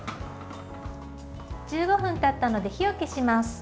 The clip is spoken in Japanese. １５分たったので火を消します。